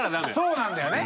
そうなんだよね。